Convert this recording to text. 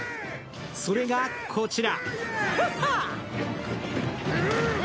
それがこちら。